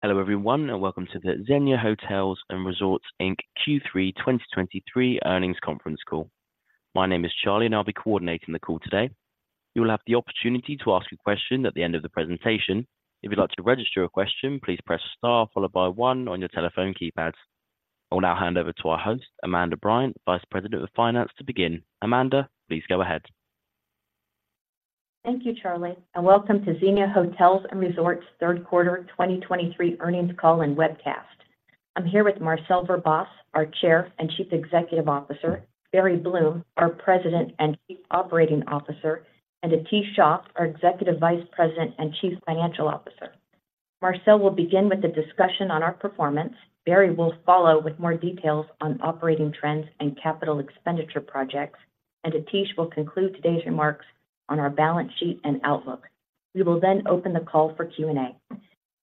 Hello, everyone, and welcome to the Xenia Hotels & Resorts, Inc. Q3 2023 earnings conference call. My name is Charlie, and I'll be coordinating the call today. You will have the opportunity to ask a question at the end of the presentation. If you'd like to register your question, please press Star, followed by one on your telephone keypad. I will now hand over to our host, Amanda Bryant, Vice President of Finance, to begin. Amanda, please go ahead. Thank you, Charlie, and welcome to Xenia Hotels and Resorts third quarter 2023 earnings call and webcast. I'm here with Marcel Verbaas, our Chair and Chief Executive Officer, Barry Bloom, our President and Chief Operating Officer, and Atish Shah, our Executive Vice President and Chief Financial Officer. Marcel will begin with a discussion on our performance. Barry will follow with more details on operating trends and capital expenditure projects, and Atish will conclude today's remarks on our balance sheet and outlook. We will then open the call for Q&A.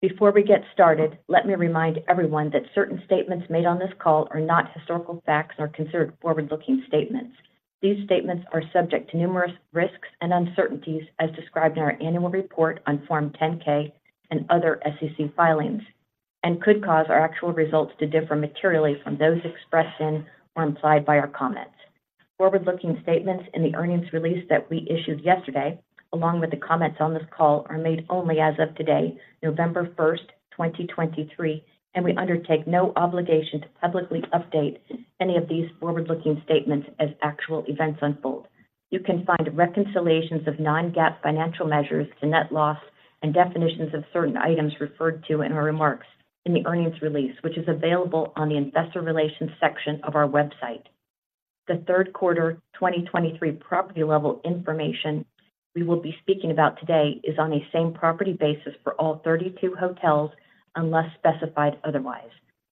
Before we get started, let me remind everyone that certain statements made on this call are not historical facts or considered forward-looking statements. These statements are subject to numerous risks and uncertainties, as described in our annual report on Form 10-K and other SEC filings, and could cause our actual results to differ materially from those expressed in or implied by our comments. Forward-looking statements in the earnings release that we issued yesterday, along with the comments on this call, are made only as of today, November 1, 2023, and we undertake no obligation to publicly update any of these forward-looking statements as actual events unfold. You can find reconciliations of non-GAAP financial measures to net loss and definitions of certain items referred to in our remarks in the earnings release, which is available on the investor relations section of our website. The third quarter 2023 property level information we will be speaking about today is on a same-property basis for all 32 hotels, unless specified otherwise.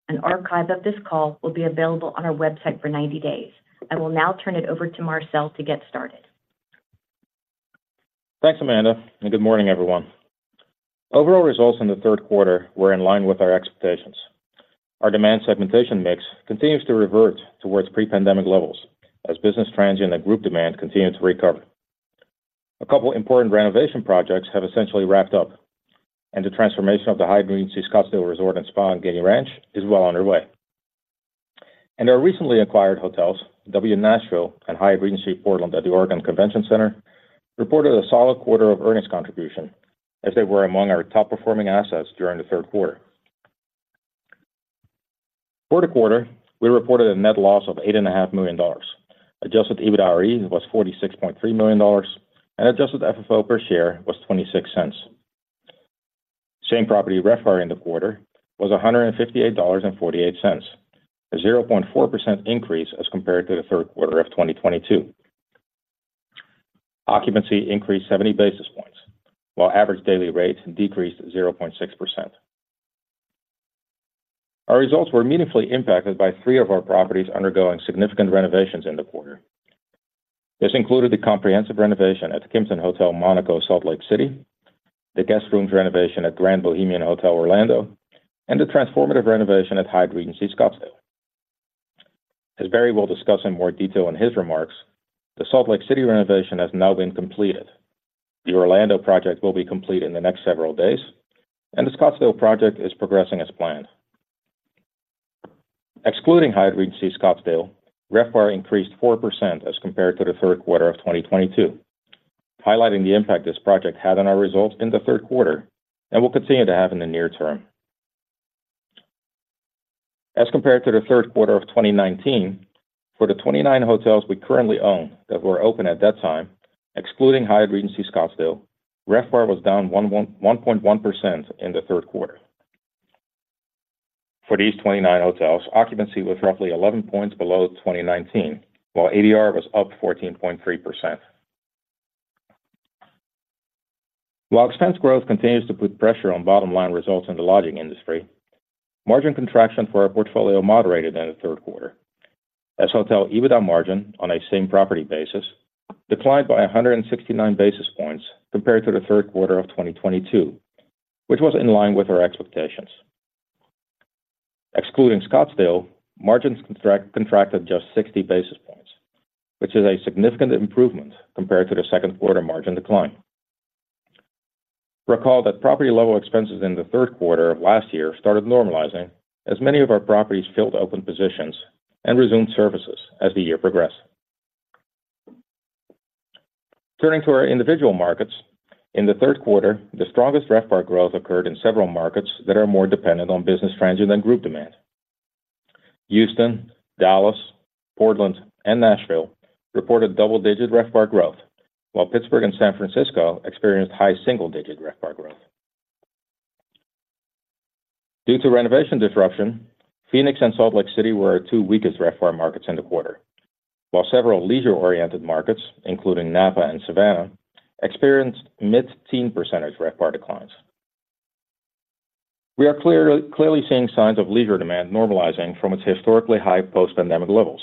An archive of this call will be available on our website for 90 days. I will now turn it over to Marcel to get started. Thanks, Amanda, and good morning, everyone. Overall results in the third quarter were in line with our expectations. Our demand segmentation mix continues to revert towards pre-pandemic levels as business trends and the group demand continue to recover. A couple of important renovation projects have essentially wrapped up, and the transformation of the Hyatt Regency Scottsdale Resort & Spa in Gainey Ranch is well underway. And our recently acquired hotels, W Nashville and Hyatt Regency Portland at the Oregon Convention Center, reported a solid quarter of earnings contribution, as they were among our top-performing assets during the third quarter. For the quarter, we reported a net loss of $8.5 million. Adjusted EBITDA was $46.3 million, and Adjusted FFO per share was $0.26. Same-property RevPAR in the quarter was $158.48, a 0.4% increase as compared to the third quarter of 2022. Occupancy increased 70 basis points, while average daily rates decreased 0.6%. Our results were meaningfully impacted by three of our properties undergoing significant renovations in the quarter. This included the comprehensive renovation at Kimpton Hotel Monaco Salt Lake City, the guest rooms renovation at Grand Bohemian Hotel Orlando, and the transformative renovation at Hyatt Regency Scottsdale. As Barry will discuss in more detail in his remarks, the Salt Lake City renovation has now been completed. The Orlando project will be complete in the next several days, and the Scottsdale project is progressing as planned. Excluding Hyatt Regency Scottsdale, RevPAR increased 4% as compared to the third quarter of 2022, highlighting the impact this project had on our results in the third quarter and will continue to have in the near term. As compared to the third quarter of 2019, for the 29 hotels we currently own that were open at that time, excluding Hyatt Regency Scottsdale, RevPAR was down 1.1% in the third quarter. For these 29 hotels, occupancy was roughly 11 points below 2019, while ADR was up 14.3%. While expense growth continues to put pressure on bottom-line results in the lodging industry, margin contraction for our portfolio moderated in the third quarter as hotel EBITDA margin on a same-property basis declined by 169 basis points compared to the third quarter of 2022, which was in line with our expectations. Excluding Scottsdale, margins contracted just 60 basis points, which is a significant improvement compared to the second quarter margin decline. Recall that property level expenses in the third quarter of last year started normalizing as many of our properties filled open positions and resumed services as the year progressed. Turning to our individual markets. In the third quarter, the strongest RevPAR growth occurred in several markets that are more dependent on business transient than group demand. Houston, Dallas, Portland, and Nashville reported double-digit RevPAR growth, while Pittsburgh and San Francisco experienced high single-digit RevPAR growth. Due to renovation disruption, Phoenix and Salt Lake City were our two weakest RevPAR markets in the quarter, while several leisure-oriented markets, including Napa and Savannah, experienced mid-teen percentage RevPAR declines. We are clearly, clearly seeing signs of leisure demand normalizing from its historically high post-pandemic levels,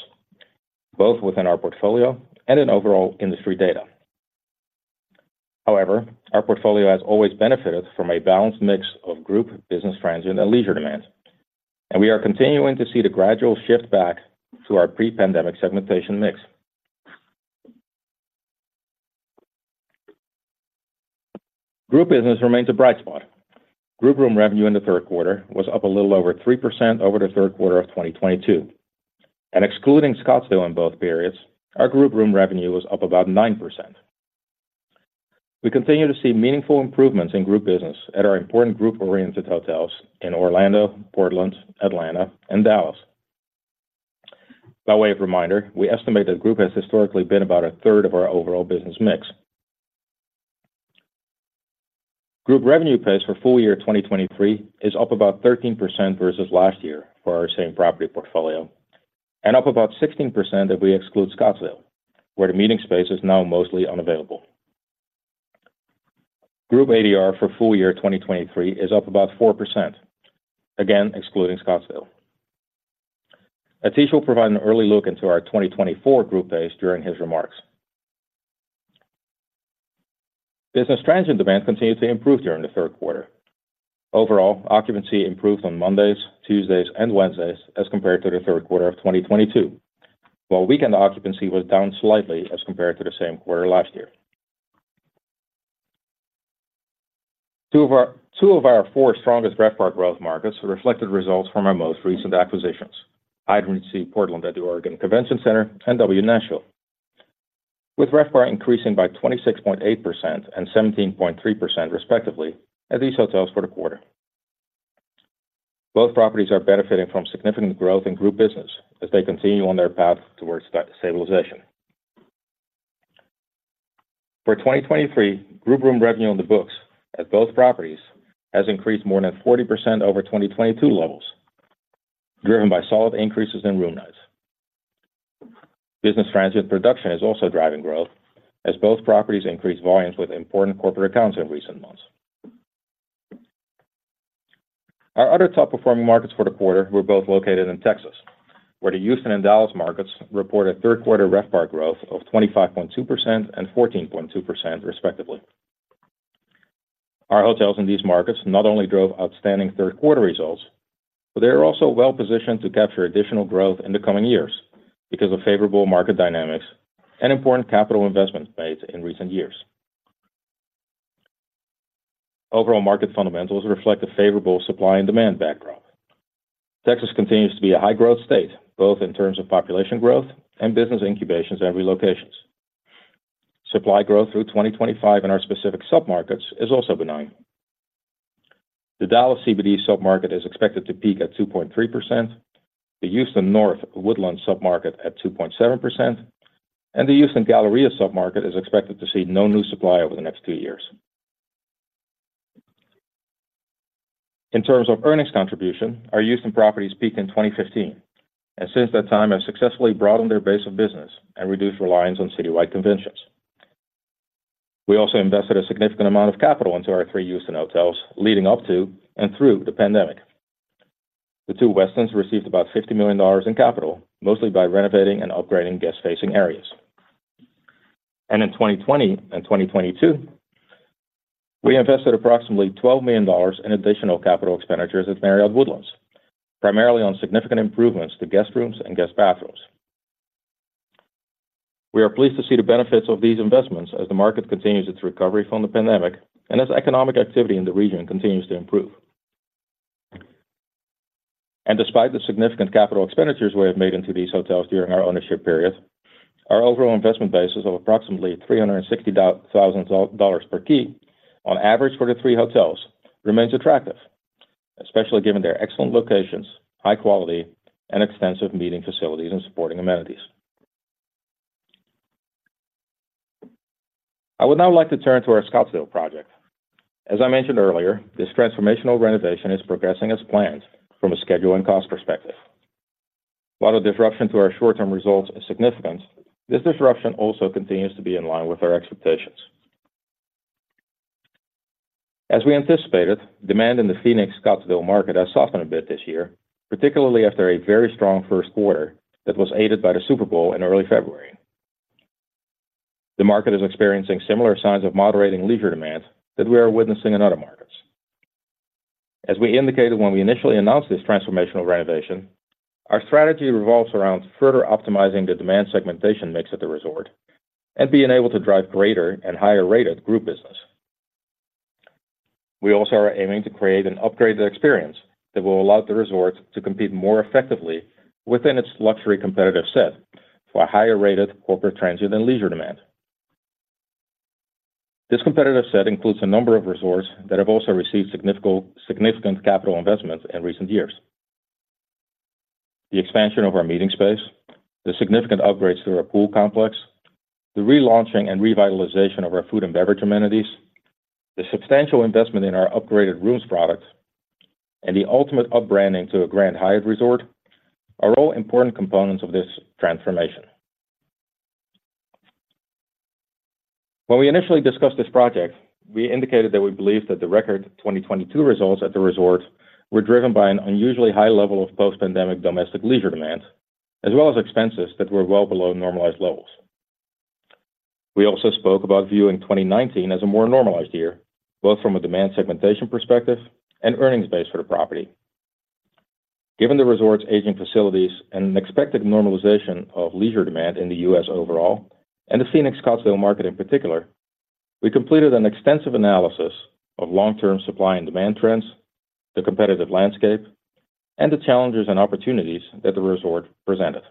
both within our portfolio and in overall industry data. However, our portfolio has always benefited from a balanced mix of group business transient and leisure demand, and we are continuing to see the gradual shift back to our pre-pandemic segmentation mix. Group business remains a bright spot. Group room revenue in the third quarter was up a little over 3% over the third quarter of 2022, and excluding Scottsdale in both periods, our group room revenue was up about 9%. We continue to see meaningful improvements in Group business at our important group-oriented hotels in Orlando, Portland, Atlanta, and Dallas. By way of reminder, we estimate that group has historically been about a third of our overall business mix. Group revenue pace for full year 2023 is up about 13% versus last year for our same property portfolio, and up about 16% if we exclude Scottsdale, where the meeting space is now mostly unavailable. Group ADR for full year 2023 is up about 4%, again, excluding Scottsdale. Atish will provide an early look into our 2024 group pace during his remarks. business transient demand continued to improve during the third quarter. Overall, occupancy improved on Mondays, Tuesdays, and Wednesdays as compared to the third quarter of 2022, while weekend occupancy was down slightly as compared to the same quarter last year. Two of our four strongest RevPAR growth markets reflected results from our most recent acquisitions, Hyatt Regency Portland at the Oregon Convention Center and W Nashville, with RevPAR increasing by 26.8% and 17.3% respectively at these hotels for the quarter. Both properties are benefiting from significant growth in Group business as they continue on their path towards that stabilization. For 2023, group room revenue on the books at both properties has increased more than 40% over 2022 levels, driven by solid increases in room nights. Business transient production is also driving growth, as both properties increased volumes with important corporate accounts in recent months. Our other top-performing markets for the quarter were both located in Texas, where the Houston and Dallas markets reported third quarter RevPAR growth of 25.2% and 14.2%, respectively. Our hotels in these markets not only drove outstanding third quarter results, but they are also well-positioned to capture additional growth in the coming years because of favorable market dynamics and important capital investments made in recent years. Overall market fundamentals reflect a favorable supply and demand backdrop. Texas continues to be a high-growth state, both in terms of population growth and business incubations and relocations. Supply growth through 2025 in our specific submarkets is also benign. The Dallas CBD submarket is expected to peak at 2.3%, the Houston North Woodlands submarket at 2.7%, and the Houston Galleria submarket is expected to see no new supply over the next two years. In terms of earnings contribution, our Houston properties peaked in 2015, and since that time have successfully broadened their base of business and reduced reliance on citywide conventions. We also invested a significant amount of capital into our three Houston hotels leading up to and through the pandemic. The two Westins received about $50 million in capital, mostly by renovating and upgrading guest-facing areas. In 2020 and 2022, we invested approximately $12 million in additional capital expenditures at Marriott Woodlands, primarily on significant improvements to guest rooms and guest bathrooms. We are pleased to see the benefits of these investments as the market continues its recovery from the pandemic and as economic activity in the region continues to improve. Despite the significant capital expenditures we have made into these hotels during our ownership period, our overall investment basis of approximately $360,000 per key on average for the three hotels remains attractive, especially given their excellent locations, high quality, and extensive meeting facilities and supporting amenities. I would now like to turn to our Scottsdale project. As I mentioned earlier, this transformational renovation is progressing as planned from a schedule and cost perspective. While the disruption to our short-term results is significant, this disruption also continues to be in line with our expectations. As we anticipated, demand in the Phoenix Scottsdale market has softened a bit this year, particularly after a very strong first quarter that was aided by the Super Bowl in early February. The market is experiencing similar signs of moderating leisure demand that we are witnessing in other markets. As we indicated when we initially announced this transformational renovation, our strategy revolves around further optimizing the demand segmentation mix at the resort and being able to drive greater and higher rates of Group business. We also are aiming to create an upgraded experience that will allow the resort to compete more effectively within its luxury competitive set for a higher-rated corporate transient and leisure demand. This competitive set includes a number of resorts that have also received significant, significant capital investments in recent years. The expansion of our meeting space, the significant upgrades to our pool complex, the relaunching and revitalization of our food and beverage amenities, the substantial investment in our upgraded rooms product, and the ultimate upbranding to a Grand Hyatt Resort are all important components of this transformation. When we initially discussed this project, we indicated that we believed that the record 2022 results at the resort were driven by an unusually high level of post-pandemic domestic leisure demand, as well as expenses that were well below normalized levels. We also spoke about viewing 2019 as a more normalized year, both from a demand segmentation perspective and earnings base for the property.... Given the resort's aging facilities and an expected normalization of leisure demand in the U.S. overall, and the Phoenix Scottsdale market in particular, we completed an extensive analysis of long-term supply and demand trends, the competitive landscape, and the challenges and opportunities that the resort presented.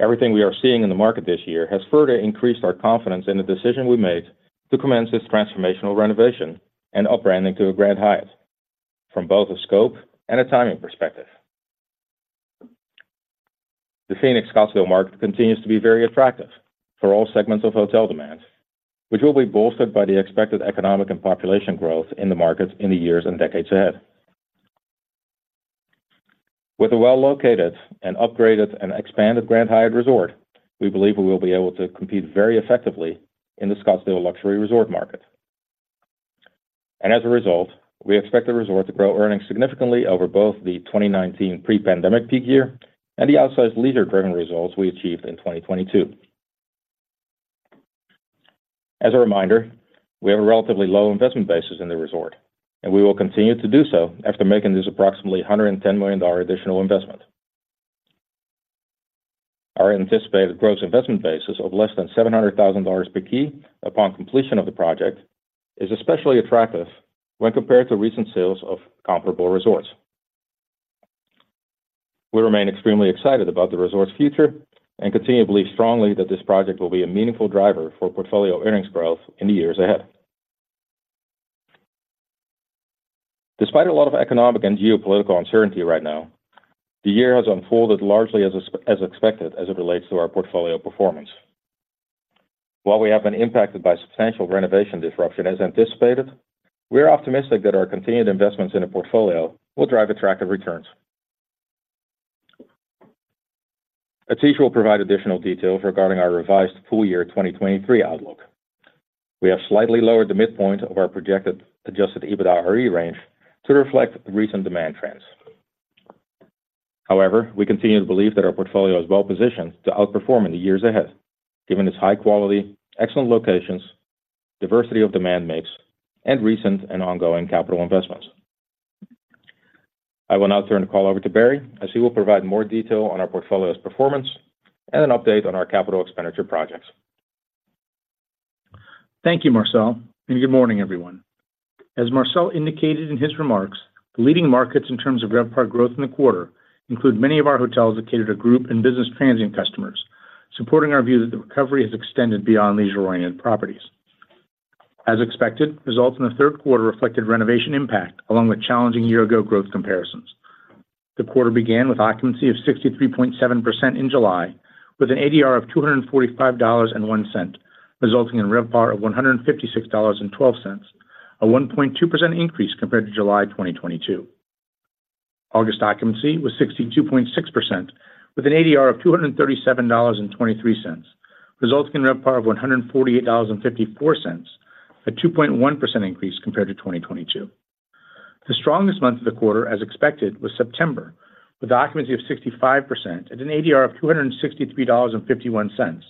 Everything we are seeing in the market this year has further increased our confidence in the decision we made to commence this transformational renovation and rebranding to a Grand Hyatt, from both a scope and a timing perspective. The Phoenix Scottsdale market continues to be very attractive for all segments of hotel demand, which will be bolstered by the expected economic and population growth in the markets in the years and decades ahead. With a well-located and upgraded and expanded Grand Hyatt resort, we believe we will be able to compete very effectively in the Scottsdale luxury resort market. As a result, we expect the resort to grow earnings significantly over both the 2019 pre-pandemic peak year and the outsized leisure-driven results we achieved in 2022. As a reminder, we have a relatively low investment basis in the resort, and we will continue to do so after making this approximately $110 million additional investment. Our anticipated gross investment basis of less than $700,000 per key upon completion of the project is especially attractive when compared to recent sales of comparable resorts. We remain extremely excited about the resort's future and continue to believe strongly that this project will be a meaningful driver for portfolio earnings growth in the years ahead. Despite a lot of economic and geopolitical uncertainty right now, the year has unfolded largely as expected as it relates to our portfolio performance. While we have been impacted by substantial renovation disruption as anticipated, we are optimistic that our continued investments in the portfolio will drive attractive returns. Atish will provide additional details regarding our revised full year 2023 outlook. We have slightly lowered the midpoint of our projected Adjusted EBITDAre range to reflect recent demand trends. However, we continue to believe that our portfolio is well-positioned to outperform in the years ahead, given its high quality, excellent locations, diversity of demand mix, and recent and ongoing capital investments. I will now turn the call over to Barry, as he will provide more detail on our portfolio's performance and an update on our capital expenditure projects. Thank you, Marcel, and good morning, everyone. As Marcel indicated in his remarks, the leading markets in terms of RevPAR growth in the quarter include many of our hotels that cater to group and business transient customers, supporting our view that the recovery has extended beyond leisure-oriented properties. As expected, results in the third quarter reflected renovation impact, along with challenging year-ago growth comparisons. The quarter began with occupancy of 63.7% in July, with an ADR of $245.01, resulting in RevPAR of $156.12, a 1.2% increase compared to July 2022. August occupancy was 62.6%, with an ADR of $237.23, resulting in RevPAR of $148.54, a 2.1% increase compared to 2022. The strongest month of the quarter, as expected, was September, with occupancy of 65% at an ADR of $263.51,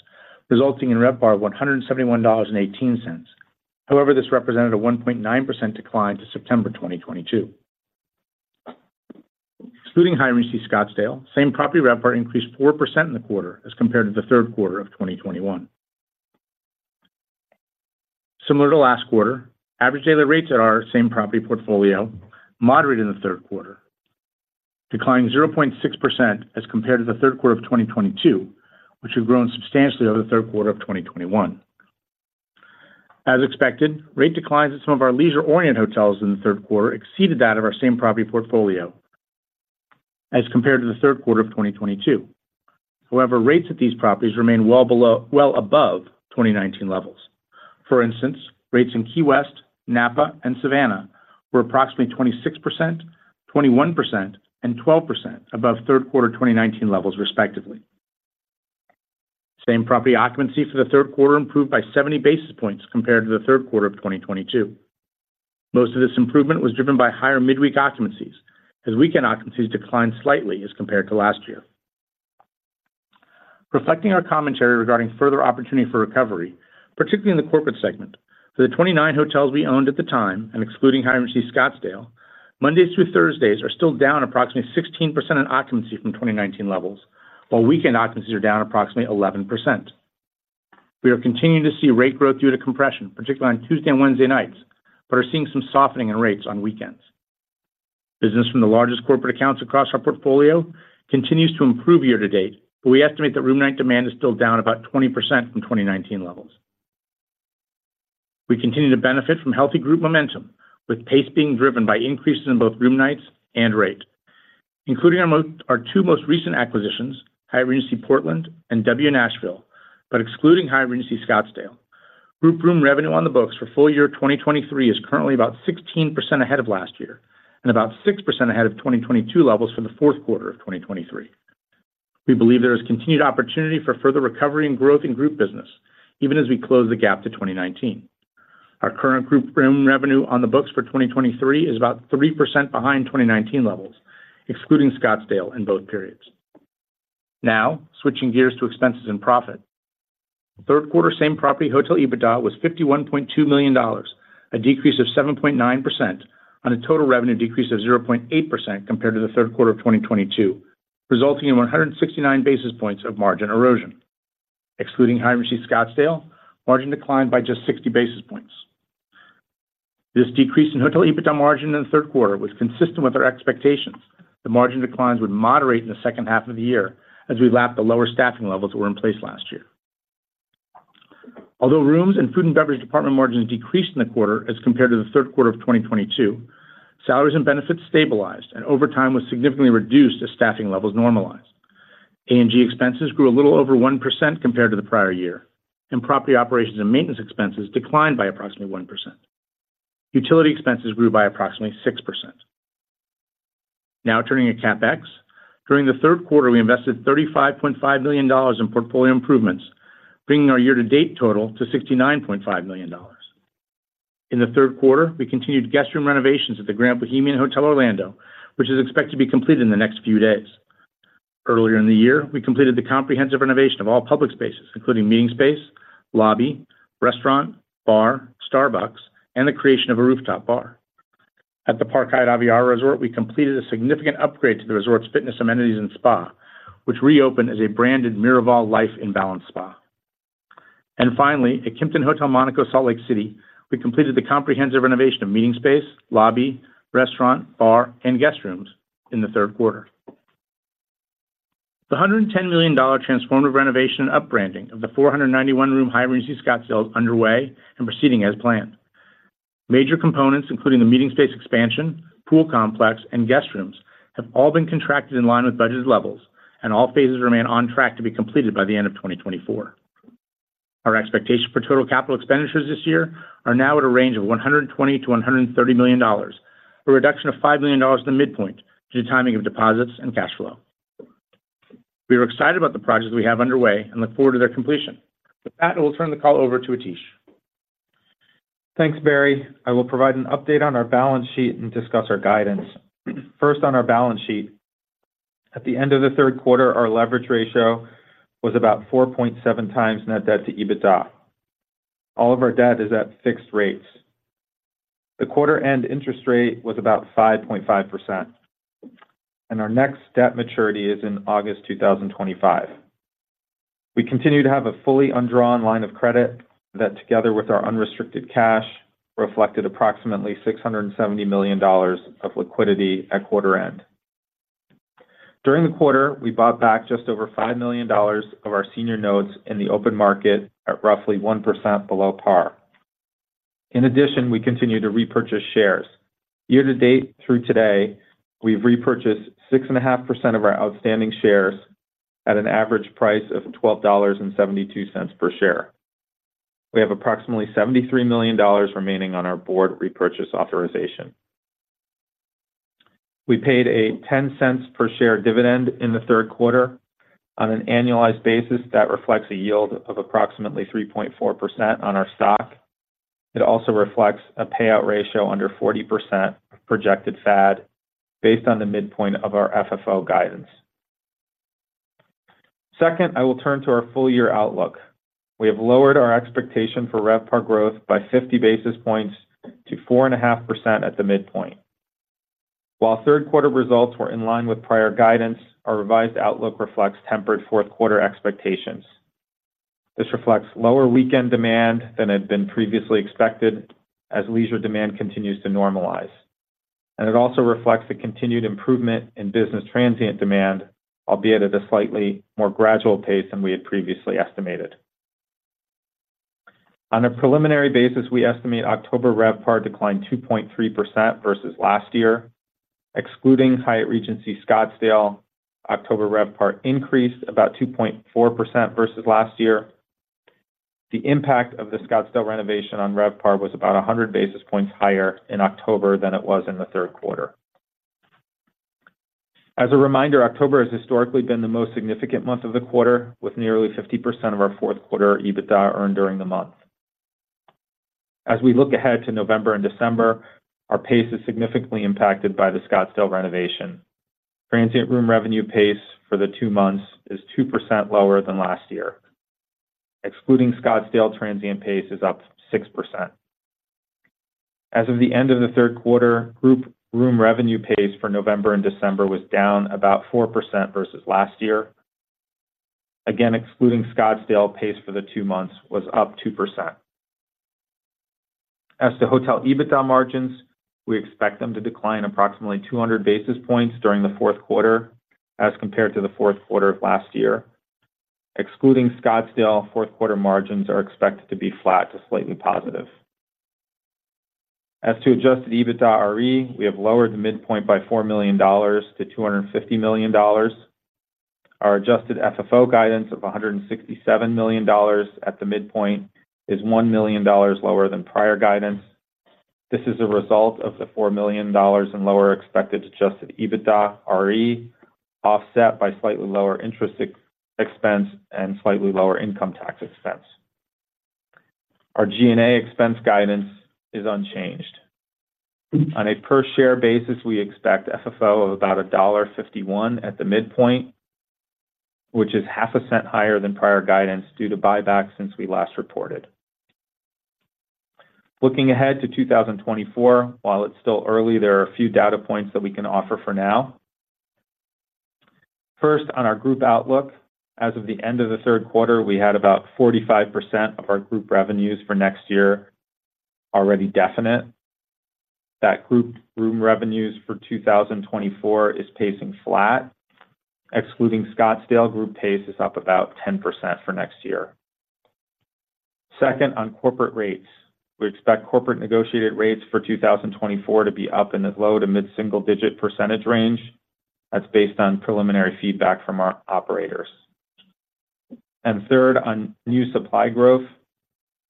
resulting in RevPAR of $171.18. However, this represented a 1.9% decline to September 2022. Excluding Hyatt Regency Scottsdale, Same-property RevPAR increased 4% in the quarter as compared to the third quarter of 2021. Similar to last quarter, average daily rates at our same-property portfolio moderated in the third quarter, declining 0.6% as compared to the third quarter of 2022, which had grown substantially over the third quarter of 2021. As expected, rate declines at some of our leisure-oriented hotels in the third quarter exceeded that of our same-property portfolio as compared to the third quarter of 2022. However, rates at these properties remain well below—well above 2019 levels. For instance, rates in Key West, Napa, and Savannah were approximately 26%, 21%, and 12% above third quarter 2019 levels, respectively. Same-property occupancy for the third quarter improved by 70 basis points compared to the third quarter of 2022. Most of this improvement was driven by higher midweek occupancies, as weekend occupancies declined slightly as compared to last year. Reflecting our commentary regarding further opportunity for recovery, particularly in the Corporate segment, for the 29 hotels we owned at the time and excluding Hyatt Regency Scottsdale, Mondays through Thursdays are still down approximately 16% in occupancy from 2019 levels, while weekend occupancies are down approximately 11%. We are continuing to see rate growth due to compression, particularly on Tuesday and Wednesday nights, but are seeing some softening in rates on weekends. Business from the largest corporate accounts across our portfolio continues to improve year to date, but we estimate that room night demand is still down about 20% from 2019 levels. We continue to benefit from healthy group momentum, with pace being driven by increases in both room nights and rate, including our two most recent acquisitions, Hyatt Regency Portland and W Nashville, but excluding Hyatt Regency Scottsdale. Group room revenue on the books for full year 2023 is currently about 16% ahead of last year and about 6% ahead of 2022 levels for the fourth quarter of 2023. We believe there is continued opportunity for further recovery and growth in Group business, even as we close the gap to 2019. Our current group room revenue on the books for 2023 is about 3% behind 2019 levels, excluding Scottsdale in both periods.... Now, switching gears to expenses and profit. Third quarter same-property hotel EBITDA was $51.2 million, a decrease of 7.9% on a total revenue decrease of 0.8% compared to the third quarter of 2022, resulting in 169 basis points of margin erosion. Excluding Hyatt Regency Scottsdale, margin declined by just 60 basis points. This decrease in hotel EBITDA margin in the third quarter was consistent with our expectations. The margin declines would moderate in the second half of the year as we lap the lower staffing levels that were in place last year. Although rooms and food and beverage department margins decreased in the quarter as compared to the third quarter of 2022, salaries and benefits stabilized, and overtime was significantly reduced as staffing levels normalized. A&G expenses grew a little over 1% compared to the prior year, and property operations and maintenance expenses declined by approximately 1%. Utility expenses grew by approximately 6%. Now turning to CapEx. During the third quarter, we invested $35.5 million in portfolio improvements, bringing our year-to-date total to $69.5 million. In the third quarter, we continued guest room renovations at the Grand Bohemian Hotel Orlando, which is expected to be completed in the next few days. Earlier in the year, we completed the comprehensive renovation of all public spaces, including meeting space, lobby, restaurant, bar, Starbucks, and the creation of a rooftop bar. At the Park Hyatt Aviara Resort, we completed a significant upgrade to the resort's fitness amenities and spa, which reopened as a branded Miraval Life in Balance Spa. And finally, at Kimpton Hotel Monaco Salt Lake City, we completed the comprehensive renovation of meeting space, lobby, restaurant, bar, and guest rooms in the third quarter. The $110 million transformative renovation and upbranding of the 491-room Hyatt Regency Scottsdale is underway and proceeding as planned. Major components, including the meeting space expansion, pool complex, and guest rooms, have all been contracted in line with budgeted levels, and all phases remain on track to be completed by the end of 2024. Our expectation for total capital expenditures this year are now at a range of $120 million-$130 million, a reduction of $5 million to the midpoint due to timing of deposits and cash flow. We are excited about the projects we have underway and look forward to their completion. With that, I will turn the call over to Atish. Thanks, Barry. I will provide an update on our balance sheet and discuss our guidance. First, on our balance sheet. At the end of the third quarter, our leverage ratio was about 4.7x net debt to EBITDA. All of our debt is at fixed rates. The quarter end interest rate was about 5.5%, and our next debt maturity is in August 2025. We continue to have a fully undrawn line of credit that, together with our unrestricted cash, reflected approximately $670 million of liquidity at quarter end. During the quarter, we bought back just over $5 million of our senior notes in the open market at roughly 1% below par. In addition, we continue to repurchase shares. Year to date through today, we've repurchased 6.5% of our outstanding shares at an average price of $12.72 per share. We have approximately $73 million remaining on our Board repurchase authorization. We paid a $0.10 per share dividend in the third quarter. On an annualized basis, that reflects a yield of approximately 3.4% on our stock. It also reflects a payout ratio under 40% of projected FAD, based on the midpoint of our FFO guidance. Second, I will turn to our full year outlook. We have lowered our expectation for RevPAR growth by 50 basis points to 4.5% at the midpoint. While third quarter results were in line with prior guidance, our revised outlook reflects tempered fourth quarter expectations. This reflects lower weekend demand than had been previously expected as leisure demand continues to normalize. It also reflects the continued improvement in business transient demand, albeit at a slightly more gradual pace than we had previously estimated. On a preliminary basis, we estimate October RevPAR declined 2.3% versus last year. Excluding Hyatt Regency Scottsdale, October RevPAR increased about 2.4% versus last year. The impact of the Scottsdale renovation on RevPAR was about 100 basis points higher in October than it was in the third quarter. As a reminder, October has historically been the most significant month of the quarter, with nearly 50% of our fourth quarter EBITDA earned during the month. As we look ahead to November and December, our pace is significantly impacted by the Scottsdale renovation. Transient room revenue pace for the two months is 2% lower than last year. Excluding Scottsdale, transient pace is up 6%. As of the end of the third quarter, group room revenue pace for November and December was down about 4% versus last year. Again, excluding Scottsdale, pace for the two months was up 2%. As to hotel EBITDA margins, we expect them to decline approximately 200 basis points during the fourth quarter as compared to the fourth quarter of last year. Excluding Scottsdale, fourth quarter margins are expected to be flat to slightly positive. As to adjusted EBITDAre, we have lowered the midpoint by $4 million to $250 million. Our adjusted FFO guidance of $167 million at the midpoint is $1 million lower than prior guidance. This is a result of the $4 million in lower expected Adjusted EBITDAre, offset by slightly lower interest expense and slightly lower income tax expense. Our G&A expense guidance is unchanged. On a per share basis, we expect FFO of about $1.51 at the midpoint, which is half a cent higher than prior guidance due to buybacks since we last reported. Looking ahead to 2024, while it's still early, there are a few data points that we can offer for now. First, on our group outlook, as of the end of the third quarter, we had about 45% of our group revenues for next year already definite. That group room revenues for 2024 is pacing flat. Excluding Scottsdale, group pace is up about 10% for next year. Second, on corporate rates, we expect corporate negotiated rates for 2024 to be up in the low- to mid-single-digit % range. That's based on preliminary feedback from our operators. And third, on new supply growth.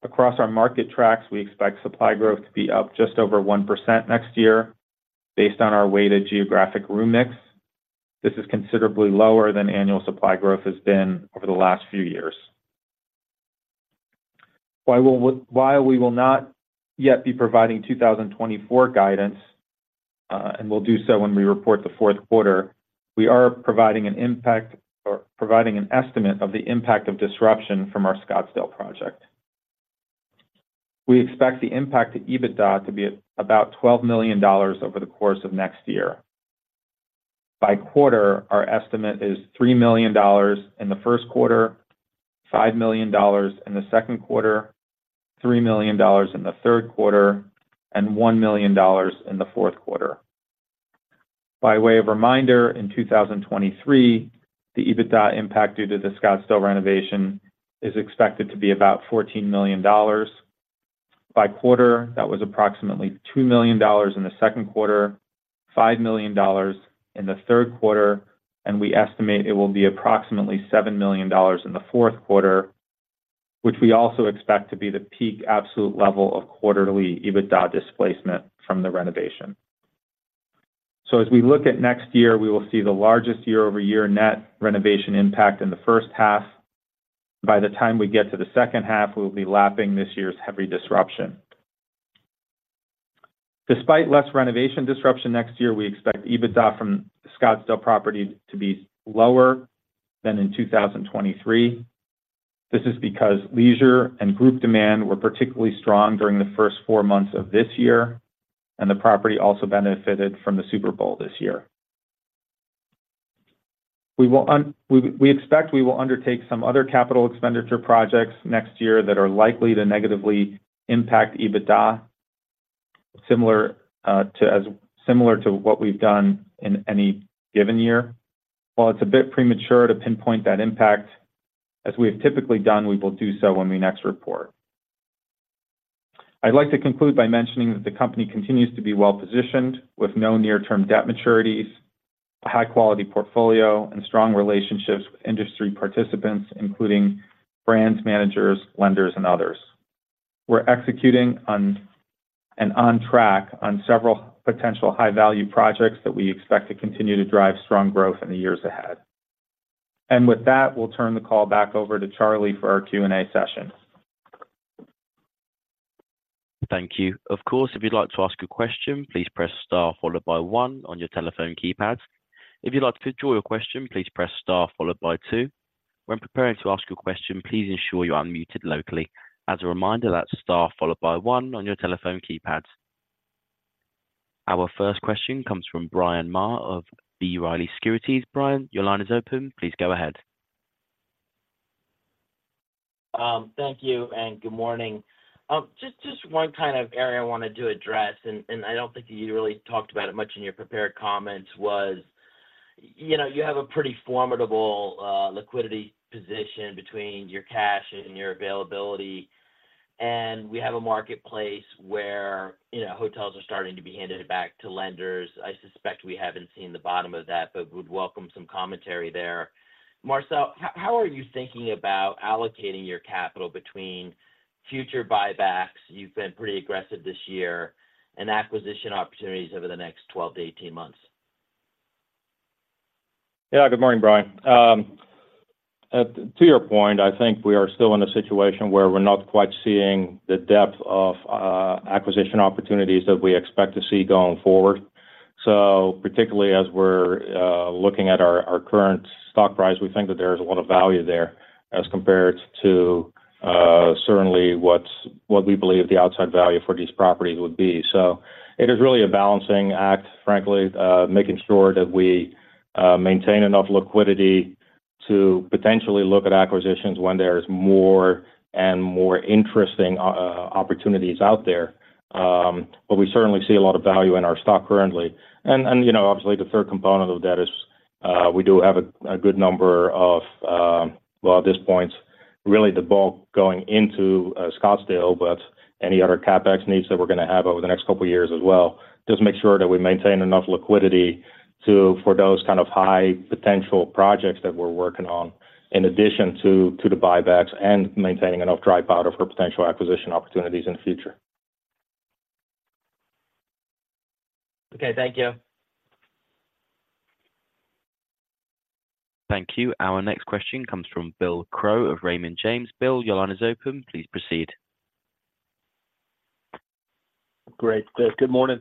Across our market tracks, we expect supply growth to be up just over 1% next year based on our weighted geographic room mix. This is considerably lower than annual supply growth has been over the last few years. While we will not yet be providing 2024 guidance, and we'll do so when we report the fourth quarter, we are providing an impact or providing an estimate of the impact of disruption from our Scottsdale project. We expect the impact to EBITDA to be at about $12 million over the course of next year. By quarter, our estimate is $3 million in the first quarter, $5 million in the second quarter, $3 million in the third quarter, and $1 million in the fourth quarter. By way of reminder, in 2023, the EBITDA impact due to the Scottsdale renovation is expected to be about $14 million. By quarter, that was approximately $2 million in the second quarter, $5 million in the third quarter, and we estimate it will be approximately $7 million in the fourth quarter, which we also expect to be the peak absolute level of quarterly EBITDA displacement from the renovation. So as we look at next year, we will see the largest year-over-year net renovation impact in the first half. By the time we get to the second half, we will be lapping this year's heavy disruption. Despite less renovation disruption next year, we expect EBITDA from the Scottsdale property to be lower than in 2023. This is because leisure and group demand were particularly strong during the first four months of this year, and the property also benefited from the Super Bowl this year. We expect we will undertake some other capital expenditure projects next year that are likely to negatively impact EBITDA, similar to what we've done in any given year. While it's a bit premature to pinpoint that impact, as we have typically done, we will do so when we next report. I'd like to conclude by mentioning that the company continues to be well-positioned, with no near-term debt maturities, a high-quality portfolio, and strong relationships with industry participants, including brands, managers, lenders, and others. We're executing on and on track on several potential high-value projects that we expect to continue to drive strong growth in the years ahead. And with that, we'll turn the call back over to Charlie for our Q&A session. Thank you. Of course, if you'd like to ask a question, please press Star followed by one on your telephone keypad. If you'd like to withdraw your question, please press Star followed by two. When preparing to ask a question, please ensure you're unmuted locally. As a reminder, that's Star followed by one on your telephone keypad. Our first question comes from Bryan Maher of B. Riley Securities. Brian, your line is open. Please go ahead. Thank you and good morning. Just one kind of area I wanted to address, and I don't think you really talked about it much in your prepared comments, was, you know, you have a pretty formidable liquidity position between your cash and your availability, and we have a marketplace where, you know, hotels are starting to be handed back to lenders. I suspect we haven't seen the bottom of that, but we'd welcome some commentary there. Marcel, how are you thinking about allocating your capital between future buybacks, you've been pretty aggressive this year, and acquisition opportunities over the next 12-18 months? Yeah. Good morning, Brian. To your point, I think we are still in a situation where we're not quite seeing the depth of acquisition opportunities that we expect to see going forward. So particularly as we're looking at our current stock price, we think that there is a lot of value there as compared to certainly what we believe the outside value for these properties would be. So it is really a balancing act, frankly, making sure that we maintain enough liquidity to potentially look at acquisitions when there is more and more interesting opportunities out there. But we certainly see a lot of value in our stock currently. And you know, obviously, the third component of that is we do have a good number of... Well, at this point, really the bulk going into Scottsdale, but any other CapEx needs that we're going to have over the next couple of years as well, just make sure that we maintain enough liquidity to—for those kind of high potential projects that we're working on, in addition to the buybacks and maintaining enough dry powder for potential acquisition opportunities in the future. Okay. Thank you. Thank you. Our next question comes from Bill Crow of Raymond James. Bill, your line is open. Please proceed. Great. Good morning.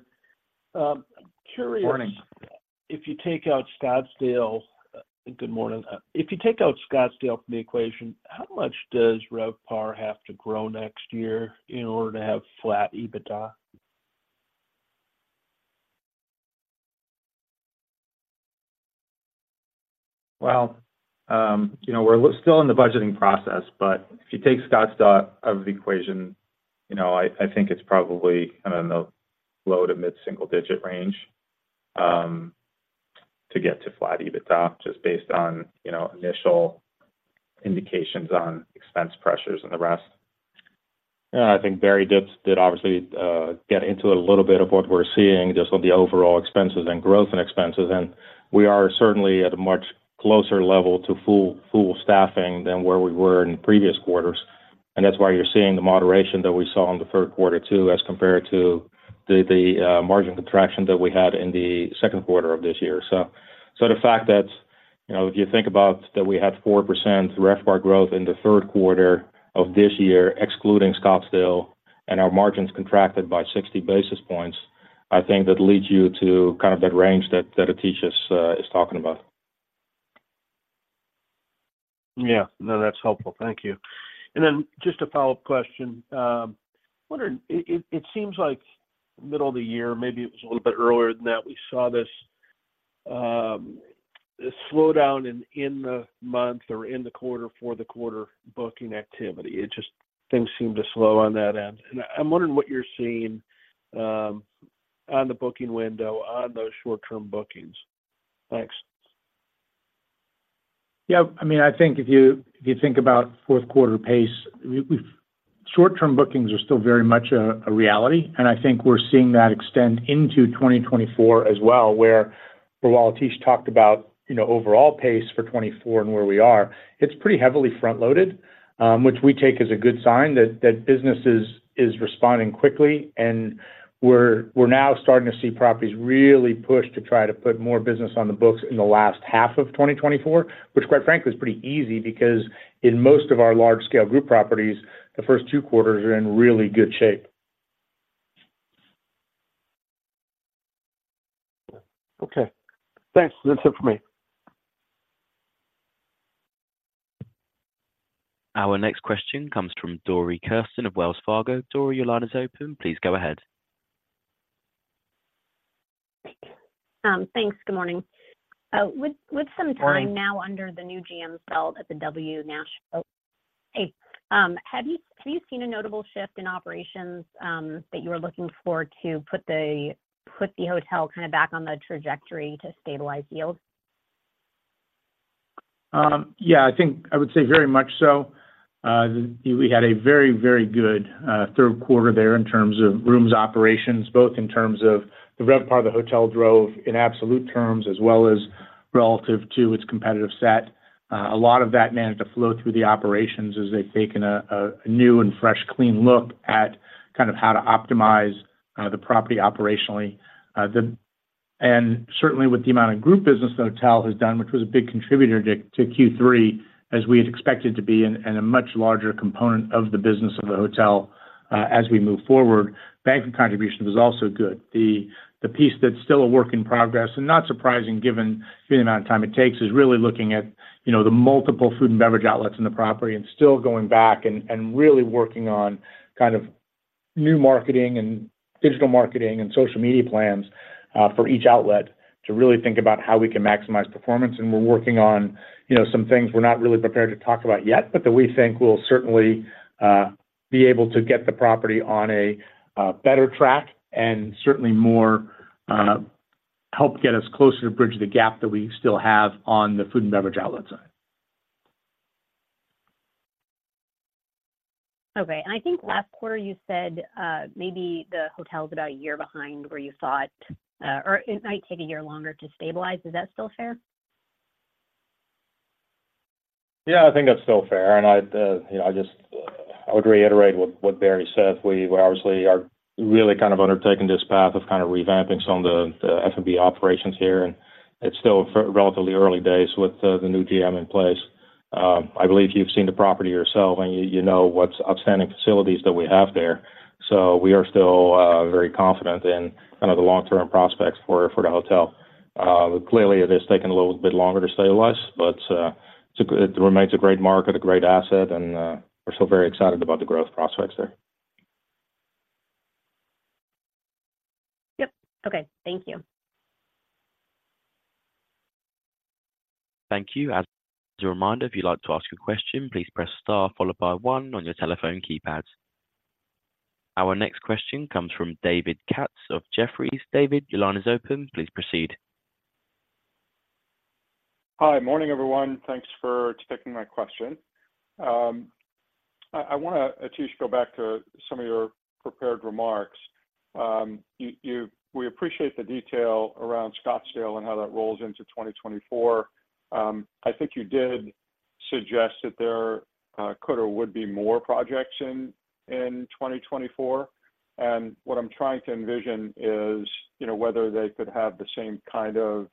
Curious- Morning. If you take out Scottsdale... Good morning. If you take out Scottsdale from the equation, how much does RevPAR have to grow next year in order to have flat EBITDA? Well, you know, we're still in the budgeting process, but if you take Scottsdale out of the equation, you know, I think it's probably kind of in the low to mid-single digit range, to get to flat EBITDA, just based on, you know, initial indications on expense pressures and the rest. Yeah, I think Barry did obviously get into a little bit of what we're seeing just on the overall expenses and growth and expenses, and we are certainly at a much closer level to full staffing than where we were in previous quarters. And that's why you're seeing the moderation that we saw in the third quarter, too, as compared to the margin contraction that we had in the second quarter of this year. So the fact that, you know, if you think about that we had 4% RevPAR growth in the third quarter of this year, excluding Scottsdale, and our margins contracted by 60 basis points, I think that leads you to kind of that range that Atish is talking about. Yeah. No, that's helpful. Thank you. And then just a follow-up question. Wondering, it seems like middle of the year, maybe it was a little bit earlier than that, we saw this slowdown in the month or in the quarter for the quarter booking activity. It just, things seemed to slow on that end, and I'm wondering what you're seeing on the booking window on those short-term bookings. Thanks. Yeah, I mean, I think if you think about fourth quarter pace, short-term bookings are still very much a reality, and I think we're seeing that extend into 2024 as well, where while Atish talked about, you know, overall pace for 2024 and where we are, it's pretty heavily front-loaded, which we take as a good sign that business is responding quickly. And we're now starting to see properties really push to try to put more business on the books in the last half of 2024, which, quite frankly, is pretty easy because in most of our large-scale group properties, the first two quarters are in really good shape. Okay. Thanks. That's it for me. Our next question comes from Dori Kesten of Wells Fargo. Dori, your line is open. Please go ahead. Thanks. Good morning. With some time- Morning... now under the new GM belt at the W Nashville, have you seen a notable shift in operations that you were looking for to put the hotel kind of back on the trajectory to stabilize yields? Yeah, I think I would say very much so. We had a very, very good third quarter there in terms of rooms operations, both in terms of the RevPAR the hotel drove in absolute terms, as well as relative to its competitive set. A lot of that managed to flow through the operations as they've taken a new and fresh, clean look at kind of how to optimize the property operationally. And certainly, with the amount of Group business the hotel has done, which was a big contributor to Q3, as we had expected to be, and a much larger component of the business of the hotel, as we move forward. Banquet contribution was also good. The piece that's still a work in progress, and not surprising given the amount of time it takes, is really looking at, you know, the multiple food and beverage outlets in the property and still going back and, and really working on kind of new marketing and digital marketing and social media plans for each outlet to really think about how we can maximize performance. And we're working on, you know, some things we're not really prepared to talk about yet, but that we think will certainly be able to get the property on a better track and certainly more help get us closer to bridge the gap that we still have on the food and beverage outlet side. Okay, and I think last quarter you said, maybe the hotel's about a year behind where you thought, or it might take a year longer to stabilize. Is that still fair? Yeah, I think that's still fair. And I'd you know, I would reiterate what Barry said. We obviously are really kind of undertaking this path of kind of revamping some of the F&B operations here, and it's still relatively early days with the new GM in place. I believe you've seen the property yourself, and you know what outstanding facilities that we have there. So we are still very confident in kind of the long-term prospects for the hotel. Clearly, it is taking a little bit longer to stabilize, but it remains a great market, a great asset, and we're still very excited about the growth prospects there. Yep. Okay. Thank you. Thank you. As a reminder, if you'd like to ask a question, please press star followed by one on your telephone keypad. Our next question comes from David Katz of Jefferies. David, your line is open. Please proceed. Hi. Morning, everyone. Thanks for taking my question. I wanna, Atish, go back to some of your prepared remarks. We appreciate the detail around Scottsdale and how that rolls into 2024. I think you did suggest that there, could or would be more projects in, in 2024. And what I'm trying to envision is, you know, whether they could have the same kind of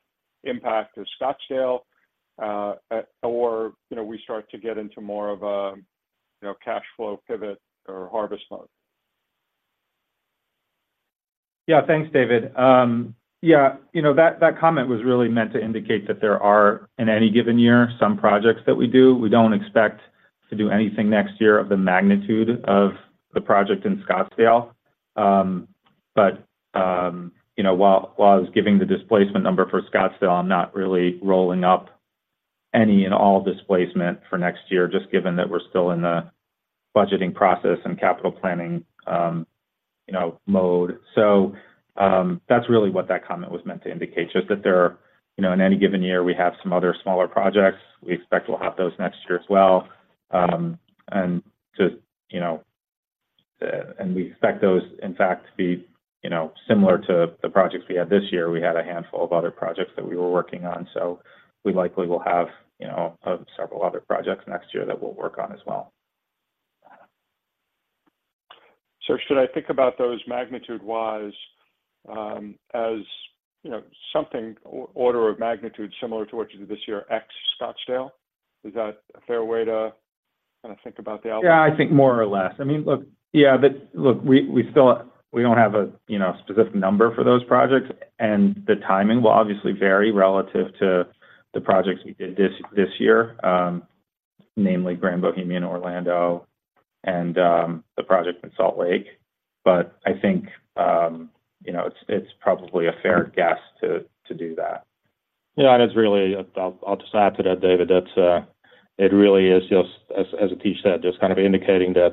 impact as Scottsdale, or, you know, we start to get into more of a, you know, cash flow pivot or harvest mode. Yeah. Thanks, David. Yeah, you know, that comment was really meant to indicate that there are, in any given year, some projects that we do. We don't expect to do anything next year of the magnitude of the project in Scottsdale. But you know, while I was giving the displacement number for Scottsdale, I'm not really rolling up any and all displacement for next year, just given that we're still in the budgeting process and capital planning, you know, mode. So, that's really what that comment was meant to indicate, just that there are, you know, in any given year, we have some other smaller projects. We expect we'll have those next year as well. And we expect those, in fact, to be, you know, similar to the projects we had this year. We had a handful of other projects that we were working on, so we likely will have, you know, several other projects next year that we'll work on as well. So should I think about those magnitude-wise, as, you know, something order of magnitude similar to what you did this year, ex-Scottsdale? Is that a fair way to kinda think about the outcome? Yeah, I think more or less. I mean, look, yeah, but look, we still don't have a, you know, specific number for those projects, and the timing will obviously vary relative to the projects we did this year, namely Grand Bohemian, Orlando, and the project in Salt Lake. But I think, you know, it's probably a fair guess to do that. Yeah, and it's really... I'll just add to that, David. That's it really is just as Atish said, just kind of indicating that,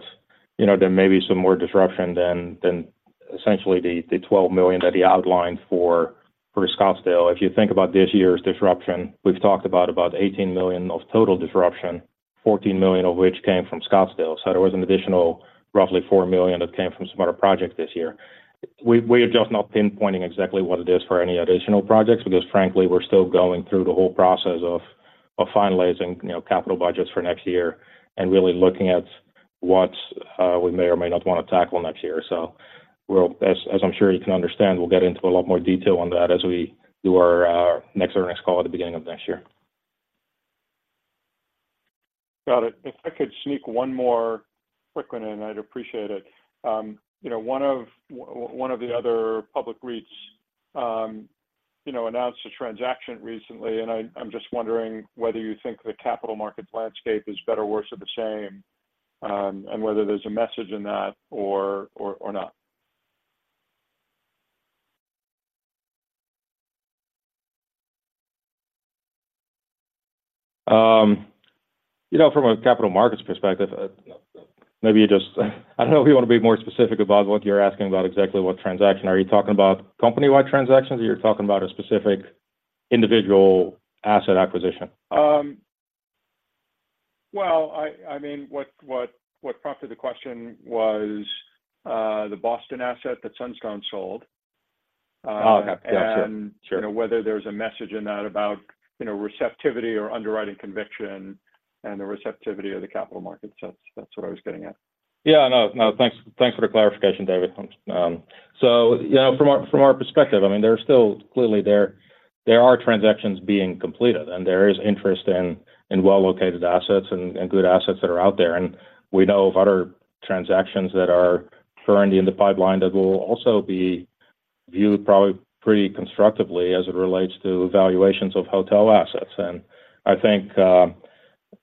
you know, there may be some more disruption than essentially the $12 million that he outlined for Scottsdale. If you think about this year's disruption, we've talked about $18 million of total disruption, $14 million of which came from Scottsdale, so there was an additional, roughly $4 million that came from some other project this year. We are just not pinpointing exactly what it is for any additional projects because, frankly, we're still going through the whole process of finalizing, you know, capital budgets for next year and really looking at what we may or may not want to tackle next year. So we'll, as, as I'm sure you can understand, we'll get into a lot more detail on that as we do our next earnings call at the beginning of next year. Got it. If I could sneak one more quick one in, I'd appreciate it. You know, one of the other public REITs, you know, announced a transaction recently, and I'm just wondering whether you think the capital markets landscape is better, worse, or the same, and whether there's a message in that or not. You know, from a capital markets perspective, maybe you just... I don't know if you want to be more specific about what you're asking about exactly what transaction. Are you talking about company-wide transactions, or you're talking about a specific individual asset acquisition? Well, I mean, what prompted the question was the Boston asset that Sunstone sold. Oh, okay. Yeah, sure. You know, whether there's a message in that about, you know, receptivity or underwriting conviction and the receptivity of the capital markets. That's, that's what I was getting at. Yeah, no, no, thanks, thanks for the clarification, David. So, you know, from our perspective, I mean, there are still... Clearly, there are transactions being completed, and there is interest in well-located assets and good assets that are out there. And we know of other transactions that are currently in the pipeline that will also be viewed probably pretty constructively as it relates to valuations of hotel assets. And I think